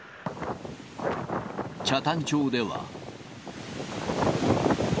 北谷町では。